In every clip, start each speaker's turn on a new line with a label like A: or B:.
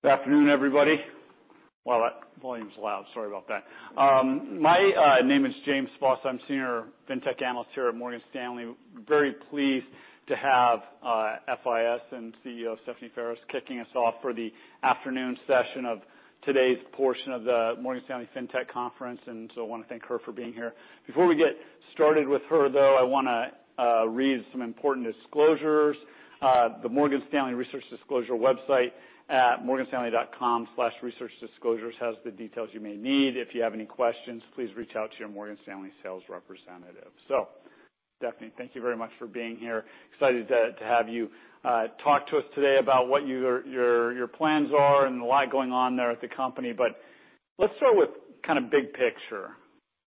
A: Good afternoon, everybody. Wow, that volume's loud. Sorry about that. My name is James Faucette. I'm Senior FinTech Analyst here at Morgan Stanley. Very pleased to have FIS and CEO Stephanie Ferris kicking us off for the afternoon session of today's portion of the Morgan Stanley Fintech Conference. I want to thank her for being here. Before we get started with her, though, I want to read some important disclosures. The Morgan Stanley Research Disclosure website at morganstanley.com/researchdisclosures has the details you may need. If you have any questions, please reach out to your Morgan Stanley sales representative. Stephanie, thank you very much for being here. Excited to have you talk to us today about what your plans are and a lot going on there at the company. Let's start with kind of big picture.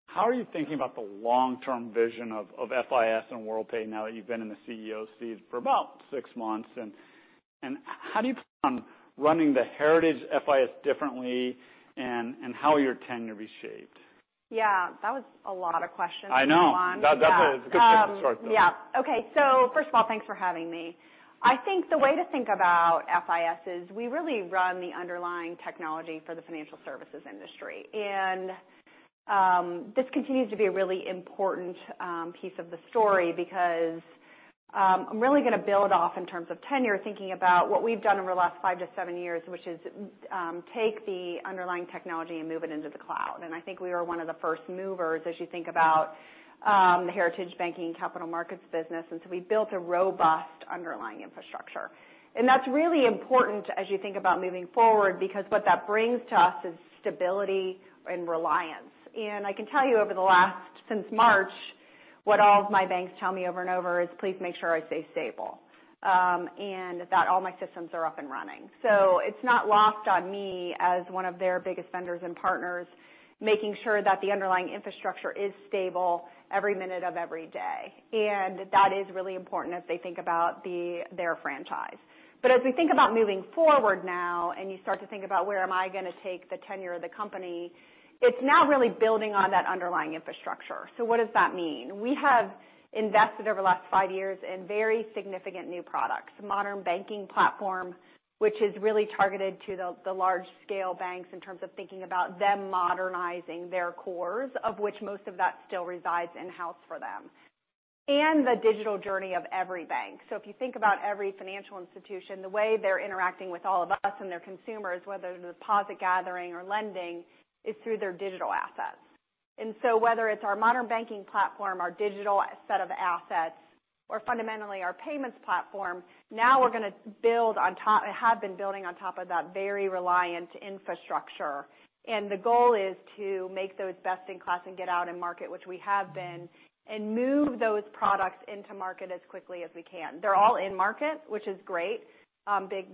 A: How are you thinking about the long-term vision of FIS and Worldpay now that you've been in the CEO seat for about six months? How do you plan on running the heritage FIS differently and how will your tenure be shaped?
B: Yeah, that was a lot of questions in one.
A: I know. That definitely is a good place to start, though.
B: Yeah. Okay, first of all, thanks for having me. I think the way to think about FIS is we really run the underlying technology for the financial services industry. This continues to be a really important piece of the story because I'm really going to build off in terms of tenure, thinking about what we've done over the last 5 to 7 years, which is take the underlying technology and move it into the cloud. I think we were one of the first movers as you think about the heritage banking capital markets business. We built a robust underlying infrastructure. That's really important as you think about moving forward because what that brings to us is stability and reliance. I can tell you over the last... since March, what all of my banks tell me over and over is, "Please make sure I stay stable, and that all my systems are up and running." It's not lost on me as one of their biggest vendors and partners, making sure that the underlying infrastructure is stable every minute of every day. That is really important as they think about their franchise. As we think about moving forward now, and you start to think about where am I going to take the tenure of the company, it's now really building on that underlying infrastructure. What does that mean? We have invested over the last 5 years in very significant new products, Modern Banking Platform, which is really targeted to the large-scale banks in terms of thinking about them modernizing their cores, of which most of that still resides in-house for them, and the digital journey of every bank. If you think about every financial institution, the way they're interacting with all of us and their consumers, whether deposit gathering or lending, is through their digital assets. Whether it's our Modern Banking Platform, our digital set of assets, or fundamentally our payments platform, now we have been building on top of that very reliant infrastructure. The goal is to make those best in class and get out in market, which we have been, and move those products into market as quickly as we can. They're all in market, which is great.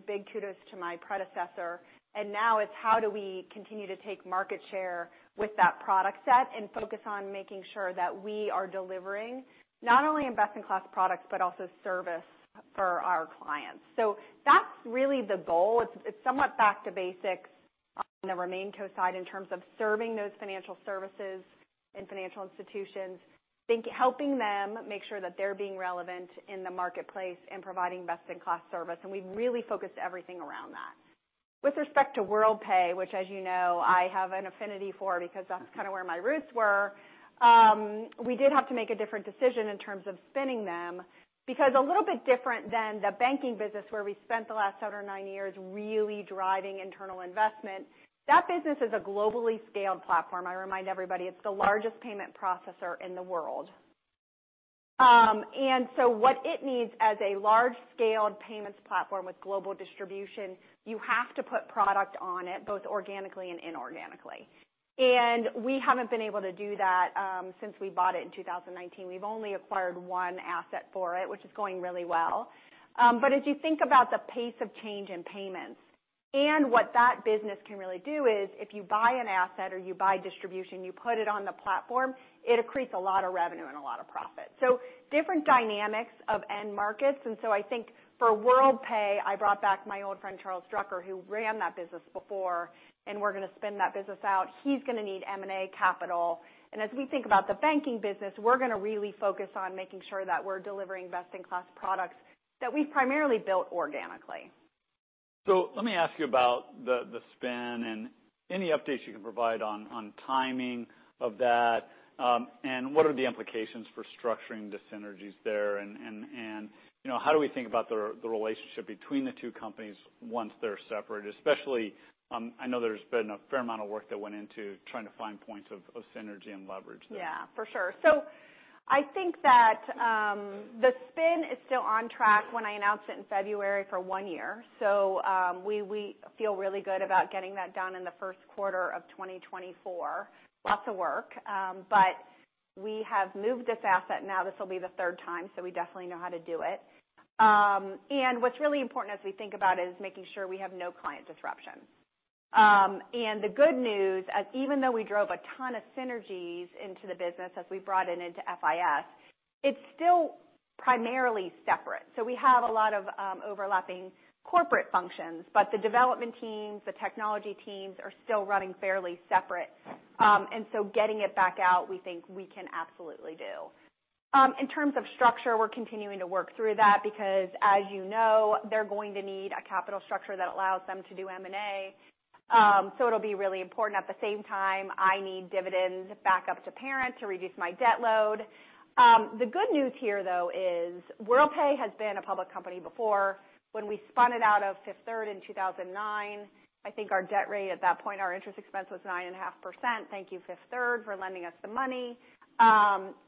B: Big kudos to my predecessor. Now it's how do we continue to take market share with that product set and focus on making sure that we are delivering not only a best-in-class product, but also service for our clients. That's really the goal. It's, it's somewhat back to basics on the RemainCo side in terms of serving those financial services and financial institutions, helping them make sure that they're being relevant in the marketplace and providing best-in-class service. We've really focused everything around that. With respect to Worldpay, which, as you know, I have an affinity for because that's kind of where my roots were, we did have to make a different decision in terms of spinning them because a little bit different than the banking business, where we spent the last 7 or 9 years really driving internal investment, that business is a globally scaled platform. I remind everybody, it's the largest payment processor in the world. So what it needs as a large-scaled payments platform with global distribution, you have to put product on it, both organically and inorganically. We haven't been able to do that since we bought it in 2019. We've only acquired one asset for it, which is going really well. As you think about the pace of change in payments and what that business can really do is if you buy an asset or you buy distribution, you put it on the platform, it accretes a lot of revenue and a lot of profit. Different dynamics of end markets. I think for Worldpay, I brought back my old friend, Charles Drucker, who ran that business before, and we're going to spin that business out. He's going to need M&A capital. As we think about the banking business, we're going to really focus on making sure that we're delivering best-in-class products that we've primarily built organically.
A: Let me ask you about the spin and any updates you can provide on timing of that, and what are the implications for structuring the synergies there? You know, how do we think about the relationship between the two companies once they're separate, especially, I know there's been a fair amount of work that went into trying to find points of synergy and leverage there?
B: Yeah, for sure. I think that the spin is still on track when I announced it in February for one year. We feel really good about getting that done in the first quarter of 2024. Lots of work, but we have moved this asset. Now, this will be the third time, so we definitely know how to do it. What's really important as we think about it is making sure we have no client disruption. The good news, as even though we drove a ton of synergies into the business as we brought it into FIS, it's still primarily separate. We have a lot of overlapping corporate functions, but the development teams, the technology teams are still running fairly separate. Getting it back out, we think we can absolutely do. In terms of structure, we're continuing to work through that because, as you know, they're going to need a capital structure that allows them to do M&A. It'll be really important. At the same time, I need dividends back up to parent to reduce my debt load. The good news here, though, is Worldpay has been a public company before. When we spun it out of Fifth Third in 2009, I think our debt rate at that point, our interest expense was 9.5%. Thank you, Fifth Third, for lending us the money.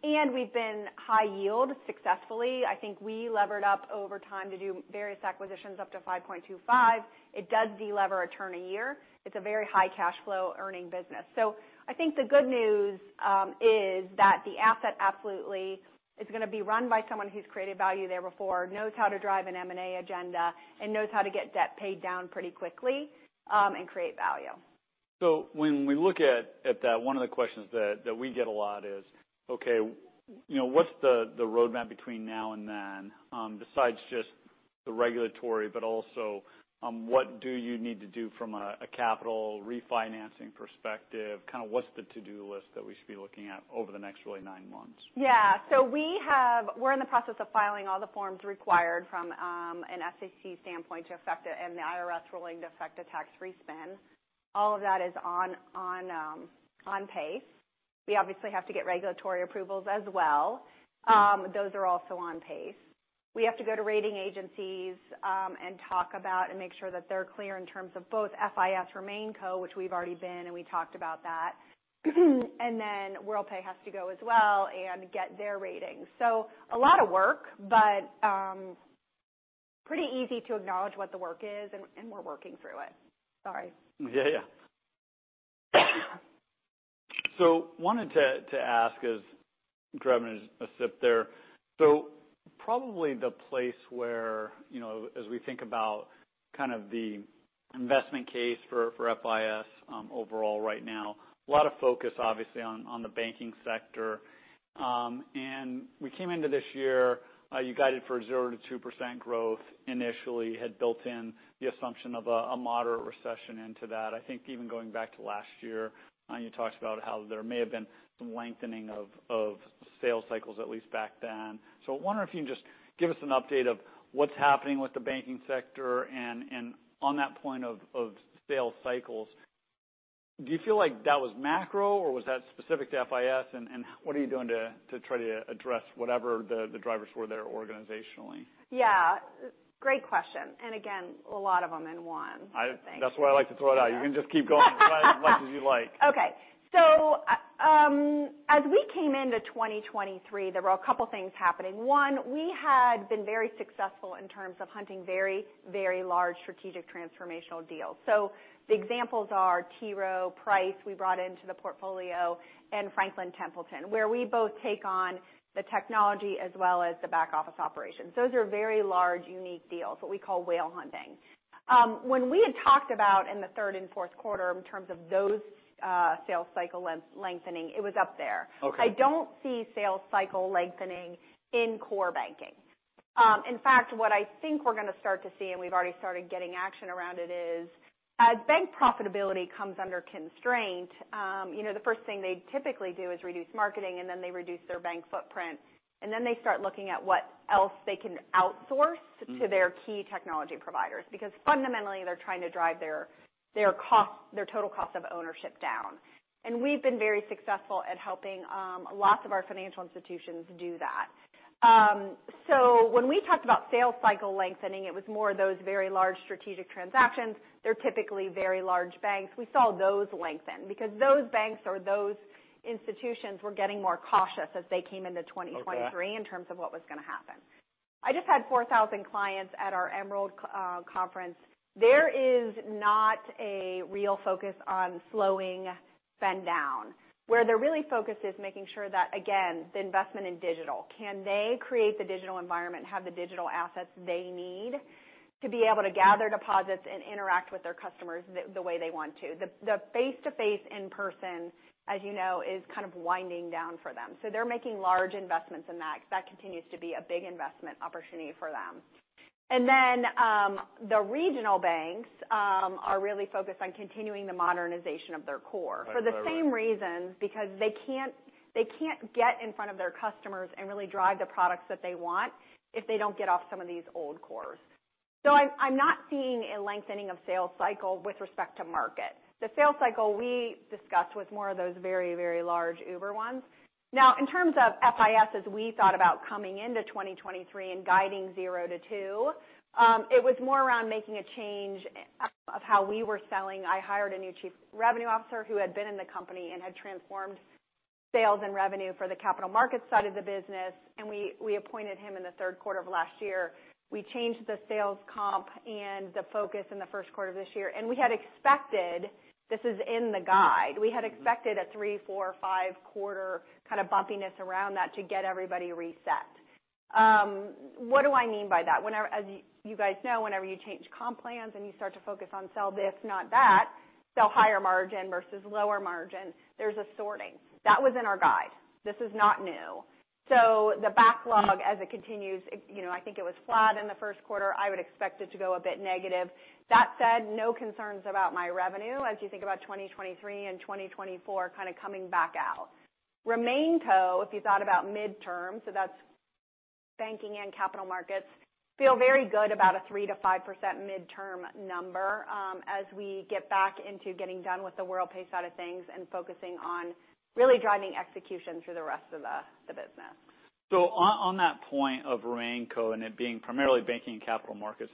B: We've been high yield successfully. I think we levered up over time to do various acquisitions up to 5.25. It does delever a turn a year. It's a very high cash flow earning business. I think the good news is that the asset absolutely is gonna be run by someone who's created value there before, knows how to drive an M&A agenda, and knows how to get debt paid down pretty quickly, and create value.
A: When we look at that, one of the questions that we get a lot is, okay, you know, what's the roadmap between now and then, besides just the regulatory, but also, what do you need to do from a capital refinancing perspective? Kind of what's the to-do list that we should be looking at over the next really nine months?
B: We're in the process of filing all the forms required from an SEC standpoint to effect it, and the IRS ruling to effect a tax-free spin. All of that is on pace. We obviously have to get regulatory approvals as well. Those are also on pace. We have to go to rating agencies and talk about and make sure that they're clear in terms of both FIS or RemainCo, which we've already been, and we talked about that. Worldpay has to go as well and get their ratings. A lot of work, but pretty easy to acknowledge what the work is, and we're working through it. Sorry.
A: Yeah, yeah. Wanted to ask as grabbing a sip there. Probably the place where, you know, as we think about kind of the investment case for FIS overall right now, a lot of focus obviously on the banking sector. We came into this year, you guided for 0%-2% growth initially, had built in the assumption of a moderate recession into that. I think even going back to last year, you talked about how there may have been some lengthening of sales cycles, at least back then. I wonder if you can just give us an update of what's happening with the banking sector, and on that point of sales cycles, do you feel like that was macro, or was that specific to FIS? What are you doing to try to address whatever the drivers were there organizationally?
B: Yeah. Great question. Again, a lot of them in one, I think.
A: That's why I like to throw it out. You can just keep going as much as you like.
B: Okay. As we came into 2023, there were a couple things happening. One, we had been very successful in terms of hunting very, very large strategic transformational deals. The examples are T. Rowe Price, we brought into the portfolio, and Franklin Templeton, where we both take on the technology as well as the back office operations. Those are very large, unique deals, what we call whale hunting. When we had talked about in the third and fourth quarter in terms of those sales cycle lengthening, it was up there.
A: Okay.
B: I don't see sales cycle lengthening in core banking. In fact, what I think we're going to start to see, and we've already started getting action around it, is as bank profitability comes under constraint, you know, the first thing they typically do is reduce marketing, and then they reduce their bank footprint, and then they start looking at what else they can outsource to their key technology providers. Because fundamentally, they're trying to drive their cost, their total cost of ownership down. We've been very successful at helping lots of our financial institutions do that. When we talked about sales cycle lengthening, it was more of those very large strategic transactions. They're typically very large banks. We saw those lengthen because those banks or those institutions were getting more cautious as they came into 2023.
A: Okay
B: in terms of what was going to happen. I just had 4,000 clients at our Emerald conference. There is not a real focus on slowing spend down. Where they're really focused is making sure that, again, the investment in digital, can they create the digital environment and have the digital assets they need to be able to gather deposits and interact with their customers the way they want to? The face-to-face, in-person, as you know, is kind of winding down for them. They're making large investments in that because that continues to be a big investment opportunity for them. Then, the regional banks are really focused on continuing the modernization of their core.
A: Right, right.
B: For the same reasons, because they can't get in front of their customers and really drive the products that they want if they don't get off some of these old cores. I'm not seeing a lengthening of sales cycle with respect to market. The sales cycle we discussed was more of those very, very large über ones. In terms of FIS, as we thought about coming into 2023 and guiding 0-2, it was more around making a change of how we were selling. I hired a new chief revenue officer who had been in the company and had transformed sales and revenue for the capital markets side of the business. We appointed him in the third quarter of last year. We changed the sales comp and the focus in the first quarter of this year, and we had expected... This is in the guide.
A: Mm-hmm.
B: We had expected a three, four, five-quarter kind of bumpiness around that to get everybody reset. What do I mean by that? As you guys know, whenever you change comp plans and you start to focus on sell this, not that, sell higher margin versus lower margin, there's a sorting. That was in our guide. This is not new. The backlog, as it continues, you know, I think it was flat in the first quarter. I would expect it to go a bit negative. That said, no concerns about my revenue as you think about 2023 and 2024 kind of coming back out. RemainCo, if you thought about midterm, so that's... banking and capital markets feel very good about a 3%-5% midterm number, as we get back into getting done with the Worldpay side of things and focusing on really driving execution through the rest of the business.
A: On that point of RemainCo and it being primarily banking and capital markets,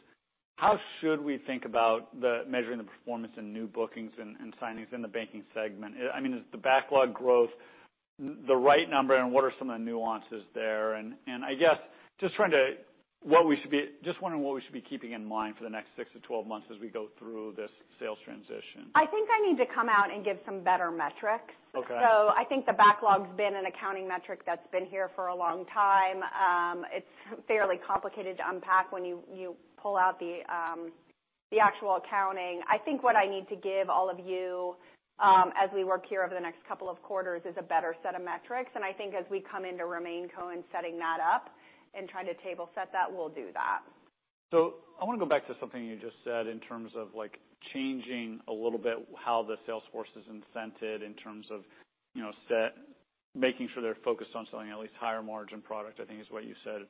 A: how should we think about the measuring the performance and new bookings and signings in the banking segment? I mean, is the backlog growth the right number, and what are some of the nuances there? I guess just wondering what we should be keeping in mind for the next 6 to 12 months as we go through this sales transition?
B: I think I need to come out and give some better metrics.
A: Okay.
B: I think the backlog's been an accounting metric that's been here for a long time. It's fairly complicated to unpack when you pull out the actual accounting. I think what I need to give all of you, as we work here over the next couple of quarters, is a better set of metrics. I think as we come into RemainCo and setting that up and trying to table set that, we'll do that.
A: I want to go back to something you just said in terms of, like, changing a little bit how the sales force is incented in terms of, you know, making sure they're focused on selling at least higher margin product, I think is what you said,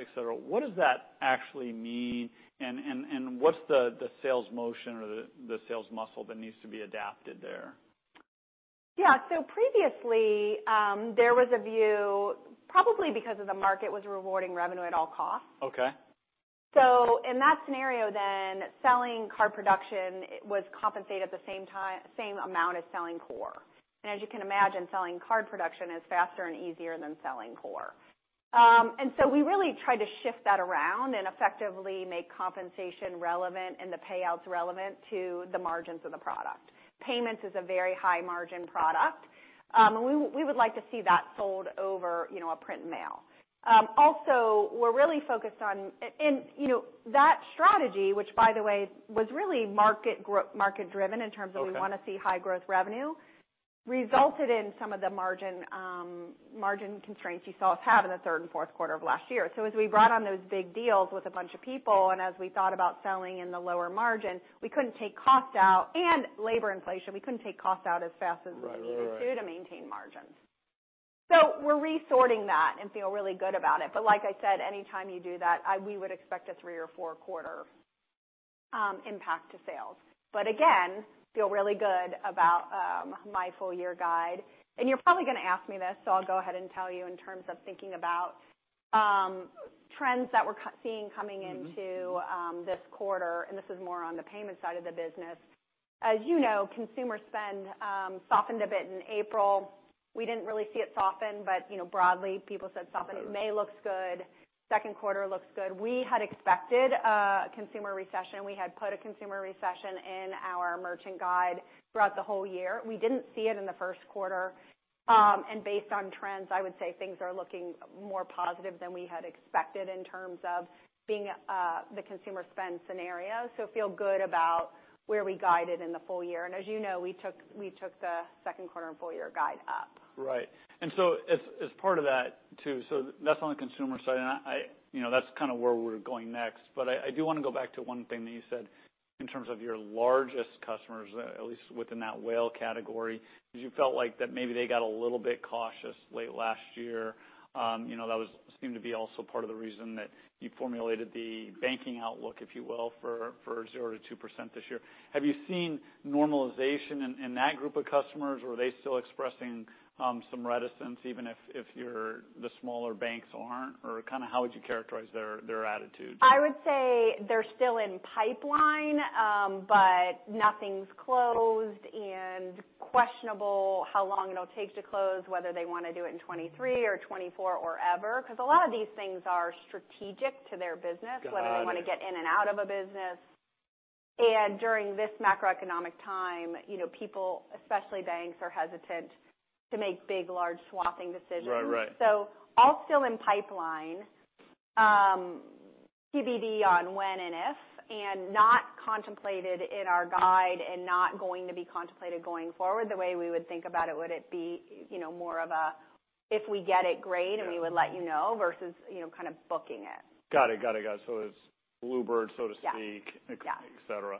A: et cetera. What does that actually mean, and what's the sales motion or the sales muscle that needs to be adapted there?
B: Yeah. Previously, there was a view, probably because of the market, was rewarding revenue at all costs.
A: Okay.
B: In that scenario then, selling card production was compensated at the same amount as selling core. As you can imagine, selling card production is faster and easier than selling core. We really tried to shift that around and effectively make compensation relevant and the payouts relevant to the margins of the product. Payments is a very high-margin product, and we would like to see that sold over, you know, a print and mail. Also, we're really focused on, you know, that strategy, which by the way, was really market driven in terms of.
A: Okay
B: we want to see high growth revenue, resulted in some of the margin constraints you saw us have in the third and fourth quarter of last year. As we brought on those big deals with a bunch of people, and as we thought about selling in the lower margin, we couldn't take cost out and labor inflation. We couldn't take cost out as fast as we.
A: Right. Right, right
B: needed to maintain margins. We're resorting that and feel really good about it. Like I said, anytime you do that, we would expect a 3 or 4 quarter impact to sales. Again, feel really good about my full year guide. You're probably gonna ask me this, so I'll go ahead and tell you in terms of thinking about trends that we're seeing coming into.
A: Mm-hmm...
B: this quarter, and this is more on the payment side of the business. As you know, consumer spend softened a bit in April. We didn't really see it soften, but, you know, broadly, people said softening.
A: Sure.
B: May looks good, second quarter looks good. We had expected a consumer recession. We had put a consumer recession in our merchant guide throughout the whole year. We didn't see it in the first quarter. Based on trends, I would say things are looking more positive than we had expected in terms of being, the consumer spend scenario. Feel good about where we guided in the full year. As you know, we took the second quarter and full year guide up.
A: As part of that, too, so that's on the consumer side, and I, you know, that's kind of where we're going next. I do want to go back to one thing that you said in terms of your largest customers, at least within that whale category, because you felt like that maybe they got a little bit cautious late last year. You know, that was, seemed to be also part of the reason that you formulated the banking outlook, if you will, for 0% to 2% this year. Have you seen normalization in that group of customers, or are they still expressing some reticence, even if your, the smaller banks aren't? Kind of how would you characterize their attitude?
B: I would say they're still in pipeline, but nothing's closed and questionable how long it'll take to close, whether they want to do it in 2023 or 2024 or ever, because a lot of these things are strategic to their business.
A: Got it.
B: whether they want to get in and out of a business. During this macroeconomic time, you know, people, especially banks, are hesitant to make big, large, swapping decisions.
A: Right. Right.
B: All still in pipeline, TBD on when and if, and not contemplated in our guide and not going to be contemplated going forward. The way we would think about it would it be, you know, more of a, if we get it, great-.
A: Yeah...
B: and we would let you know, versus, you know, kind of booking it.
A: Got it. It's bluebird, so to speak...
B: Yeah...
A: et cetera.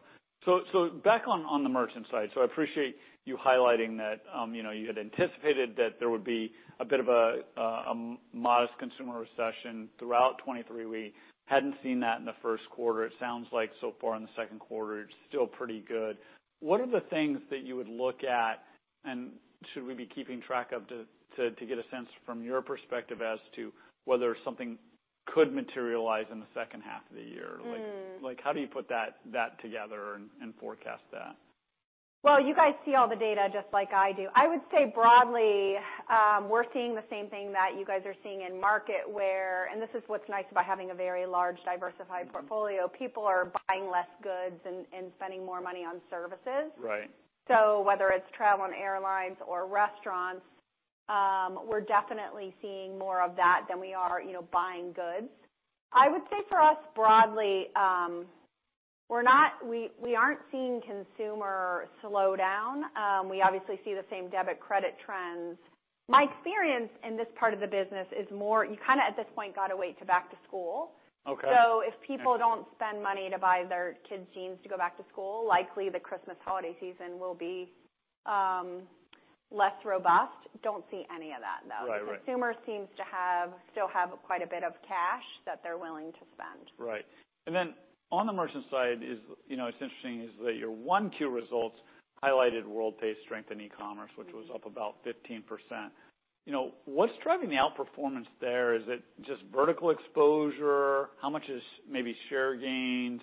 A: Back on the merchant side. I appreciate you highlighting that, you know, you had anticipated that there would be a bit of a modest consumer recession throughout 2023. We hadn't seen that in the first quarter. It sounds like so far in the second quarter, it's still pretty good. What are the things that you would look at, and should we be keeping track of to get a sense from your perspective as to whether something could materialize in the second half of the year?
B: Mm.
A: Like, how do you put that together and forecast that?
B: Well, you guys see all the data just like I do. I would say broadly, we're seeing the same thing that you guys are seeing in market. This is what's nice about having a very large, diversified portfolio.
A: Mm-hmm.
B: People are buying less goods and spending more money on services.
A: Right.
B: Whether it's travel and airlines or restaurants, we're definitely seeing more of that than we are, you know, buying goods. I would say for us, broadly, we aren't seeing consumer slow down. We obviously see the same debit, credit trends. My experience in this part of the business is more, you kind of, at this point, got to wait to back to school.
A: Okay.
B: If people don't spend money to buy their kids jeans to go back to school, likely the Christmas holiday season will be less robust, don't see any of that, though.
A: Right, right.
B: Consumers still have quite a bit of cash that they're willing to spend.
A: Right. On the merchant side is, you know, what's interesting is that your 1Q results highlighted Worldpay's strength in e-commerce, which was up about 15%. You know, what's driving the outperformance there? Is it just vertical exposure? How much is maybe share gained?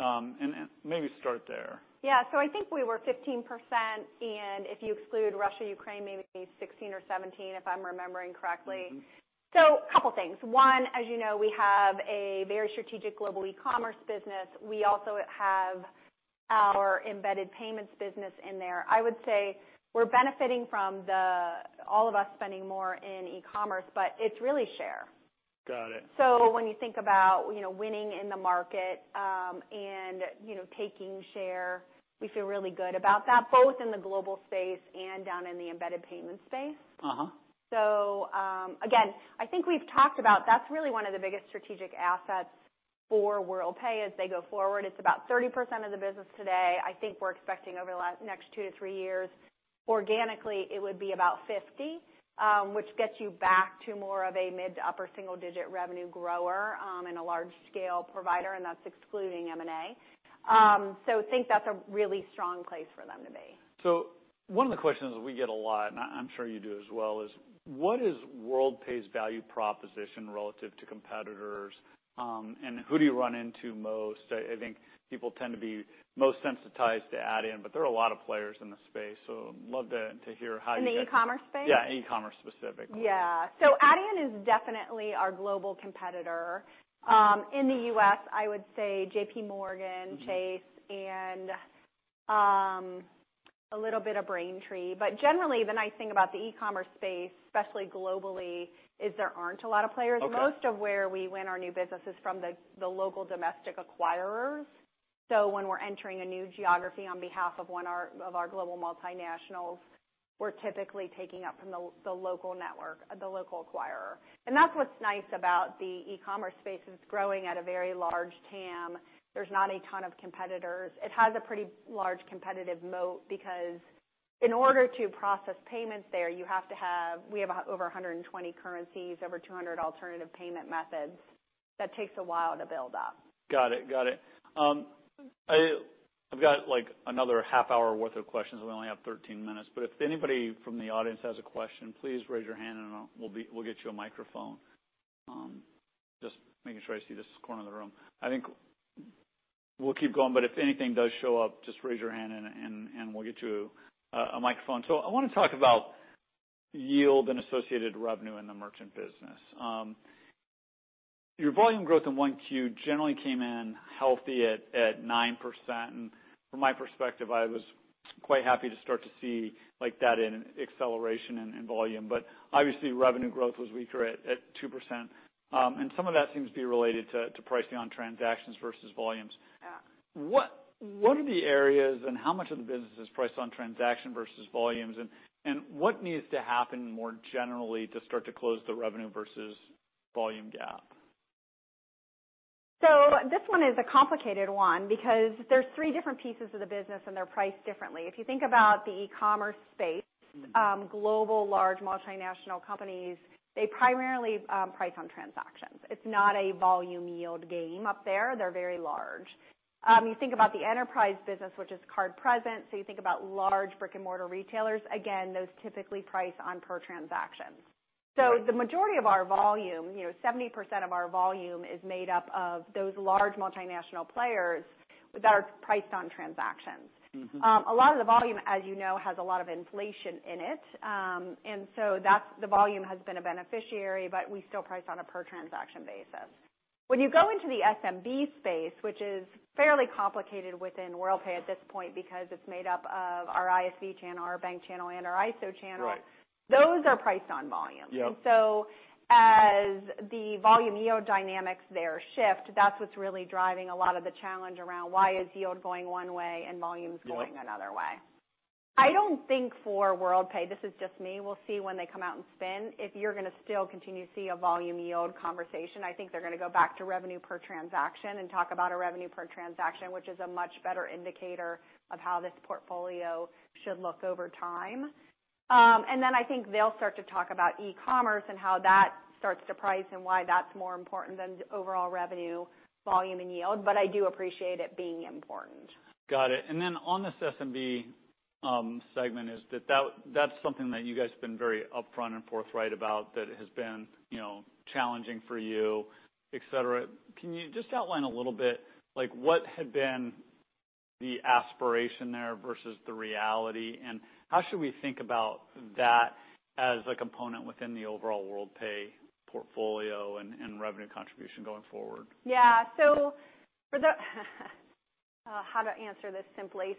A: And maybe start there.
B: Yeah. I think we were 15%, and if you exclude Russia, Ukraine, maybe 16% or 17%, if I'm remembering correctly.
A: Mm-hmm.
B: Couple things. One, as you know, we have a very strategic global e-commerce business. We also have our embedded payments business in there. I would say we're benefiting from all of us spending more in e-commerce, but it's really share.
A: Got it.
B: When you think about, you know, winning in the market, and, you know, taking share, we feel really good about that, both in the global space and down in the embedded payment space.
A: Uh-huh.
B: Again, I think we've talked about that's really one of the biggest strategic assets for Worldpay as they go forward. It's about 30% of the business today. I think we're expecting over the next 2-3 years, organically, it would be about 50%, which gets you back to more of a mid to upper single-digit revenue grower, and a large scale provider, and that's excluding M&A. Think that's a really strong place for them to be.
A: One of the questions we get a lot, and I'm sure you do as well, is what is Worldpay's value proposition relative to competitors, and who do you run into most? I think people tend to be most sensitized to Adyen, but there are a lot of players in the space, so love to hear how you guys.
B: In the e-commerce space?
A: Yeah, e-commerce specifically.
B: Yeah. Adyen is definitely our global competitor. In the US, I would say JPMorgan Chase-
A: Mm-hmm...
B: a little bit of Braintree. Generally, the nice thing about the e-commerce space, especially globally, is there aren't a lot of players.
A: Okay.
B: Most of where we win our new business is from the local domestic acquirers. When we're entering a new geography on behalf of one of our global multinationals, we're typically taking up from the local network, the local acquirer. That's what's nice about the e-commerce space, is it's growing at a very large TAM. There's not a ton of competitors. It has a pretty large competitive moat because in order to process payments there, you have to have, we have over 120 currencies, over 200 alternative payment methods. That takes a while to build up.
A: Got it. Got it. I've got, like, another half hour worth of questions, and we only have 13 minutes. If anybody from the audience has a question, please raise your hand, and we'll get you a microphone. Just making sure I see this corner of the room. I think we'll keep going. If anything does show up, just raise your hand, and we'll get you a microphone. I wanna talk about yield and associated revenue in the merchant business. Your volume growth in 1Q generally came in healthy at 9%. From my perspective, I was quite happy to start to see, like, that in acceleration and volume. Obviously, revenue growth was weaker at 2%. Some of that seems to be related to pricing on transactions versus volumes.
B: Yeah.
A: What are the areas and how much of the business is priced on transaction versus volumes? What needs to happen more generally to start to close the revenue versus volume gap?
B: This one is a complicated one because there's 3 different pieces of the business, and they're priced differently. If you think about the e-commerce space.
A: Mm-hmm
B: global, large, multinational companies, they primarily price on transactions. It's not a volume yield game up there. They're very large. You think about the enterprise business, which is card present, so you think about large brick-and-mortar retailers. Again, those typically price on per transactions.
A: Right.
B: The majority of our volume, you know, 70% of our volume is made up of those large multinational players that are priced on transactions.
A: Mm-hmm.
B: A lot of the volume, as you know, has a lot of inflation in it. The volume has been a beneficiary, but we still price on a per transaction basis. When you go into the SMB space, which is fairly complicated within Worldpay at this point because it's made up of our ISC channel, our bank channel, and our ISO channel.
A: Right
B: those are priced on volume.
A: Yep.
B: As the volume yield dynamics there shift, that's what's really driving a lot of the challenge around why is yield going one way and volumes...
A: Yep
B: going another way. I don't think for Worldpay, this is just me, we'll see when they come out and spin, if you're gonna still continue to see a volume yield conversation. I think they're gonna go back to revenue per transaction and talk about a revenue per transaction, which is a much better indicator of how this portfolio should look over time. Then I think they'll start to talk about e-commerce and how that starts to price and why that's more important than overall revenue, volume, and yield, I do appreciate it being important.
A: Got it. Then on this SMB, segment, that's something that you guys have been very upfront and forthright about, that has been, you know, challenging for you, et cetera. Can you just outline a little bit, like, what had been the aspiration there versus the reality, and how should we think about that as a component within the overall Worldpay portfolio and revenue contribution going forward?
B: Yeah. How to answer this simply?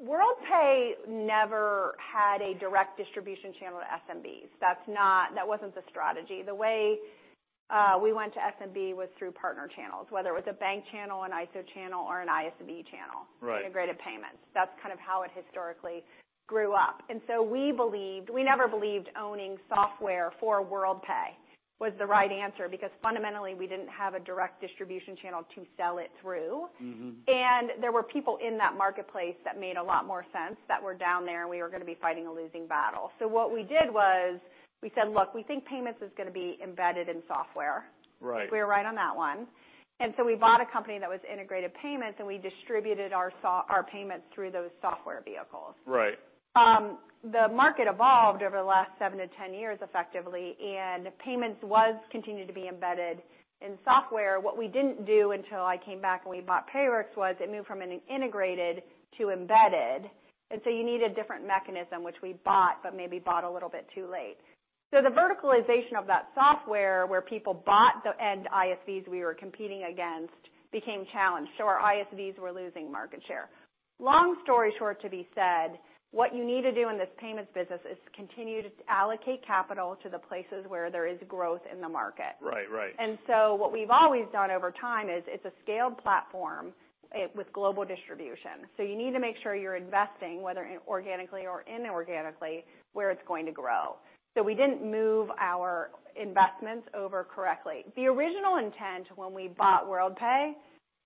B: Worldpay never had a direct distribution channel to SMBs. That wasn't the strategy. The way we went to SMB was through partner channels, whether it was a bank channel, an ISO channel, or an ISV channel.
A: Right.
B: Integrated payments. That's kind of how it historically grew up. We never believed owning software for Worldpay was the right answer, because fundamentally, we didn't have a direct distribution channel to sell it through.
A: Mm-hmm.
B: There were people in that marketplace that made a lot more sense that were down there, and we were gonna be fighting a losing battle. What we did was we said, "Look, we think payments is gonna be embedded in software.
A: Right.
B: We were right on that one. We bought a company that was integrated payments, and we distributed our payments through those software vehicles.
A: Right.
B: The market evolved over the last 7-10 years effectively, and payments was continued to be embedded in software. What we didn't do until I came back and we bought Payrix was it moved from an integrated to embedded. You need a different mechanism, which we bought, but maybe bought a little bit too late. The verticalization of that software where people bought the end ISVs we were competing against became challenged, so our ISVs were losing market share. Long story short, to be said, what you need to do in this payments business is continue to allocate capital to the places where there is growth in the market.
A: Right. Right.
B: What we've always done over time is, it's a scaled platform with global distribution. You need to make sure you're investing, whether in organically or inorganically, where it's going to grow. We didn't move our investments over correctly. The original intent when we bought Worldpay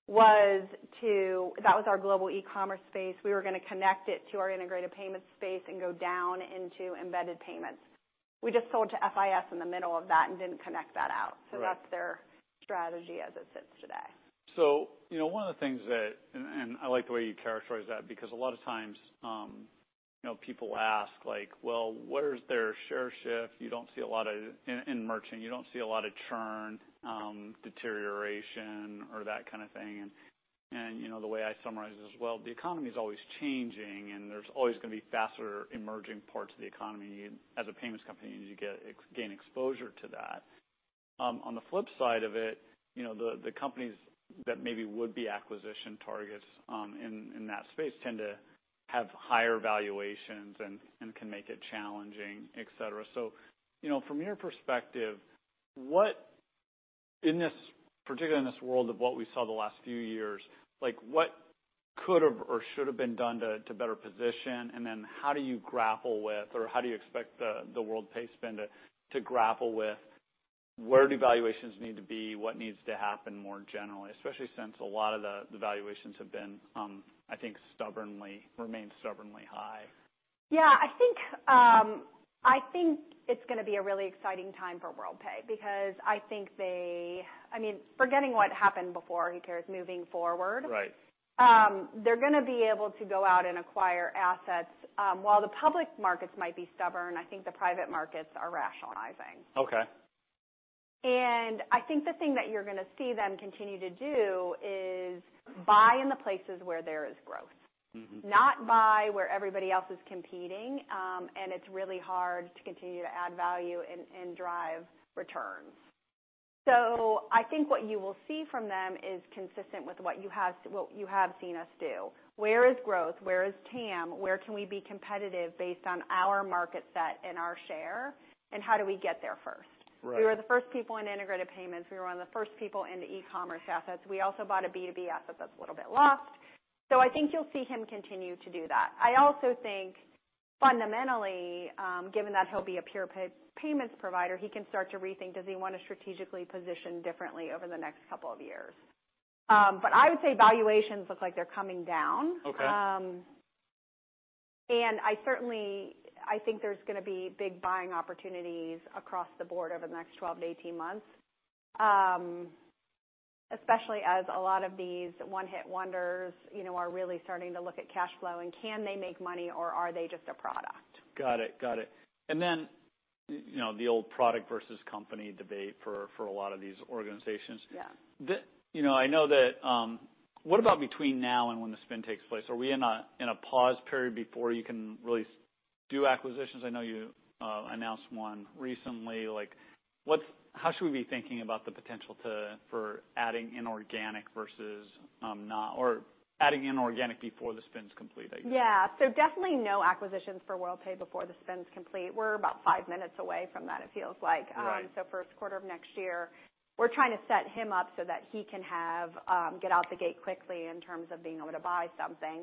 B: That was our global e-commerce space. We were gonna connect it to our integrated payments space and go down into embedded payments. We just sold to FIS in the middle of that and didn't connect that out.
A: Right.
B: That's their strategy as it sits today.
A: You know, one of the things that, and I like the way you characterize that, because a lot of times, you know, people ask, like, "Well, where is their share shift?" You don't see a lot of, in merchant, you don't see a lot of churn, deterioration or that kind of thing. You know, the way I summarize it is, well, the economy is always changing, and there's always gonna be faster emerging parts of the economy. As a payments company, you get, gain exposure to that. On the flip side of it, you know, the companies that maybe would be acquisition targets, in that space tend to have higher valuations and can make it challenging, et cetera. You know, from your perspective, what, in this, particularly in this world of what we saw the last few years, like, what could have or should have been done to better position? How do you grapple with, or how do you expect the Worldpay spin to grapple with where do valuations need to be? What needs to happen more generally, especially since a lot of the valuations have been, I think stubbornly, remained stubbornly high.
B: I think it's gonna be a really exciting time for Worldpay because I mean, forgetting what happened before, who cares, moving forward.
A: Right.
B: They're gonna be able to go out and acquire assets. While the public markets might be stubborn, I think the private markets are rationalizing.
A: Okay.
B: I think the thing that you're gonna see them continue to do is buy in the places where there is growth.
A: Mm-hmm.
B: Not buy where everybody else is competing, and it's really hard to continue to add value and drive returns. I think what you will see from them is consistent with what you have seen us do. Where is growth? Where is TAM? Where can we be competitive based on our market set and our share, and how do we get there first?
A: Right.
B: We were the first people in integrated payments. We were one of the first people in the e-commerce assets. We also bought a B2B asset that's a little bit lost. I think you'll see him continue to do that. I also think, fundamentally, given that he'll be a pure payments provider, he can start to rethink, does he want to strategically position differently over the next couple of years? I would say valuations look like they're coming down.
A: Okay.
B: I certainly, I think there's gonna be big buying opportunities across the board over the next 12 to 18 months. especially as a lot of these one-hit wonders, you know, are really starting to look at cash flow, and can they make money or are they just a product?
A: Got it. You know, the old product versus company debate for a lot of these organizations.
B: Yeah.
A: You know, I know that, what about between now and when the spin takes place? Are we in a pause period before you can really do acquisitions? I know you announced one recently. Like, how should we be thinking about the potential to, for adding inorganic versus, not or adding inorganic before the spin's complete, I guess?
B: Yeah. Definitely no acquisitions for Worldpay before the spin's complete. We're about five minutes away from that, it feels like.
A: Right.
B: First quarter of next year. We're trying to set him up so that he can have, get out the gate quickly in terms of being able to buy something.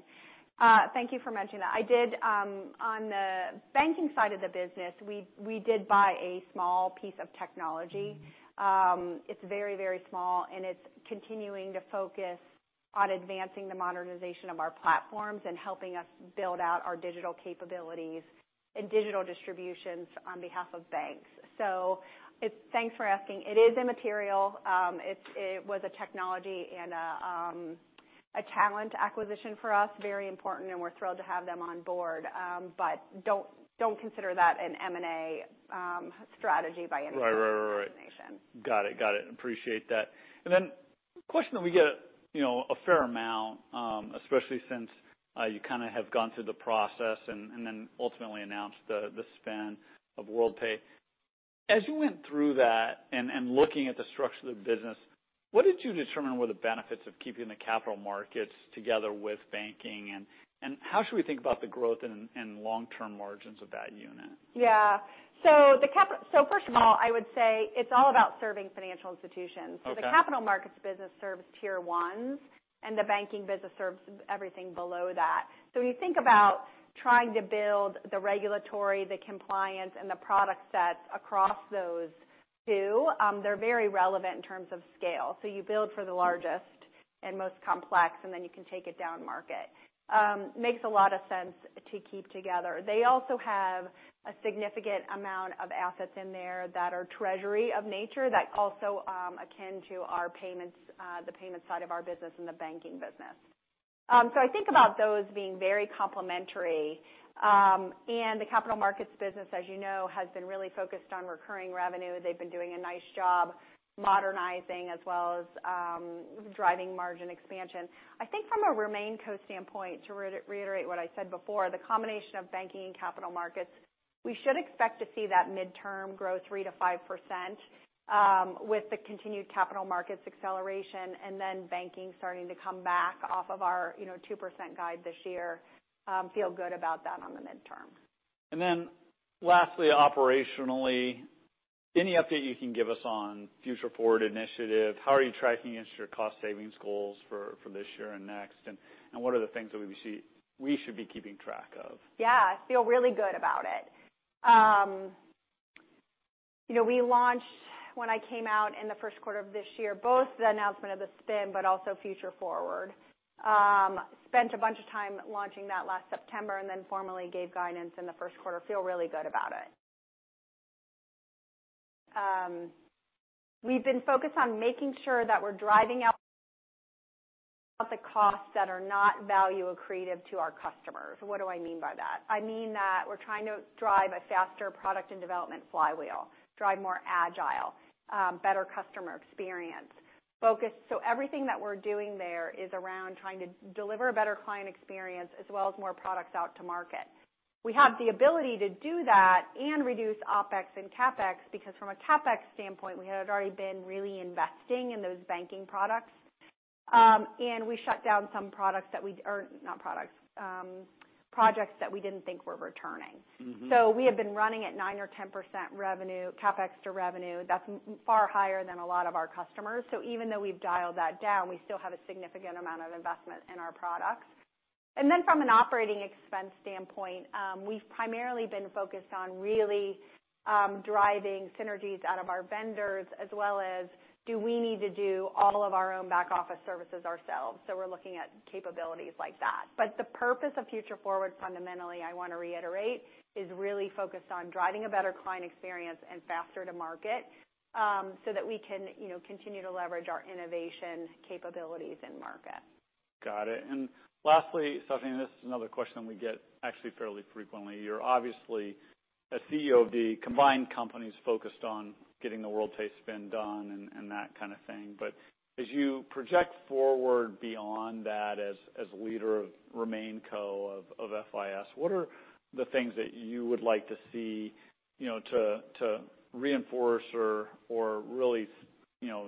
B: Thank you for mentioning that. I did, on the banking side of the business, we did buy a small piece of technology. It's very, very small, and it's continuing to focus on advancing the modernization of our platforms and helping us build out our digital capabilities and digital distributions on behalf of banks. Thanks for asking. It is immaterial. It was a technology and, a talent acquisition for us, very important, and we're thrilled to have them on board. Don't consider that an M&A, strategy by any means or acquisition.
A: Right. Right. Right. Got it. Got it. Appreciate that. Then a question that we get, you know, a fair amount, especially since you kind of have gone through the process and then ultimately announced the spin of Worldpay. As you went through that and looking at the structure of the business,... what did you determine were the benefits of keeping the capital markets together with banking? How should we think about the growth and long-term margins of that unit?
B: Yeah. First of all, I would say it's all about serving financial institutions.
A: Okay.
B: The capital markets business serves Tier 1, and the banking business serves everything below that. When you think about trying to build the regulatory, the compliance, and the product sets across those two, they're very relevant in terms of scale. You build for the largest and most complex, and then you can take it down market. Makes a lot of sense to keep together. They also have a significant amount of assets in there that are treasury of nature that also, akin to our payments, the payment side of our business and the banking business. I think about those being very complementary. The capital markets business, as you know, has been really focused on recurring revenue. They've been doing a nice job modernizing as well as, driving margin expansion. I think from a RemainCo standpoint, to reiterate what I said before, the combination of banking and capital markets, we should expect to see that midterm grow 3%-5% with the continued capital markets acceleration. Banking starting to come back off of our, you know, 2% guide this year. Feel good about that on the midterm.
A: Lastly, operationally, any update you can give us on Future Forward initiative? How are you tracking against your cost savings goals for this year and next, and what are the things that we should be keeping track of?
B: Yeah, I feel really good about it. You know, we launched, when I came out in the first quarter of this year, both the announcement of the spin, but also Future Forward. Spent a bunch of time launching that last September, then formally gave guidance in the first quarter. Feel really good about it. We've been focused on making sure that we're driving out the costs that are not value accretive to our customers. What do I mean by that? I mean that we're trying to drive a faster product and development flywheel, drive more agile, better customer experience. Everything that we're doing there is around trying to deliver a better client experience as well as more products out to market. We have the ability to do that and reduce OpEx and CapEx, because from a CapEx standpoint, we had already been really investing in those banking products. We shut down some products or not products, projects that we didn't think were returning.
A: Mm-hmm.
B: We have been running at 9% or 10% revenue, CapEx to revenue. That's far higher than a lot of our customers. Even though we've dialed that down, we still have a significant amount of investment in our products. Then from an operating expense standpoint, we've primarily been focused on really driving synergies out of our vendors, as well as do we need to do all of our own back office services ourselves? We're looking at capabilities like that. The purpose of Future Forward, fundamentally, I want to reiterate, is really focused on driving a better client experience and faster to market, so that we can, you know, continue to leverage our innovation capabilities in market.
A: Got it. Lastly, Stephanie, this is another question we get actually fairly frequently. You're obviously a CEO of the combined companies focused on getting the Worldpay spin done and that kind of thing. As you project forward beyond that, as leader of RemainCo of FIS, what are the things that you would like to see, you know, to reinforce or really, you know,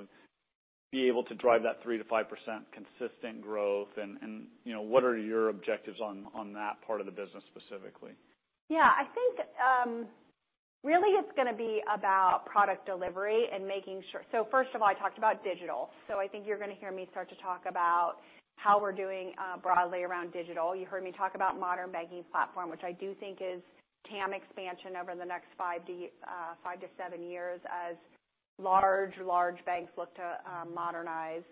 A: be able to drive that 3%-5% consistent growth? You know, what are your objectives on that part of the business, specifically?
B: Yeah. I think really it's going to be about product delivery and making sure... I talked about digital. I think you're going to hear me start to talk about how we're doing broadly around digital. You heard me talk about Modern Banking Platform, which I do think is TAM expansion over the next 5-7 years as large banks look to modernize.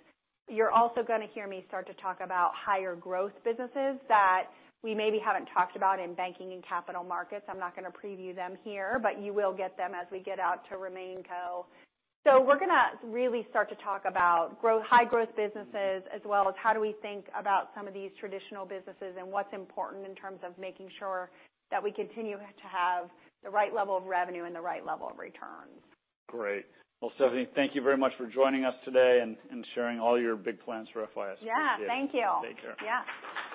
B: You're also going to hear me start to talk about higher growth businesses that we maybe haven't talked about in banking and capital markets. I'm not going to preview them here, you will get them as we get out to RemainCo. We're going to really start to talk about high growth businesses, as well as how do we think about some of these traditional businesses, and what's important in terms of making sure that we continue to have the right level of revenue and the right level of returns.
A: Great. Well, Stephanie, thank you very much for joining us today and sharing all your big plans for FIS.
B: Yeah.
A: Appreciate it.
B: Thank you.
A: Take care.
B: Yeah. Thank you.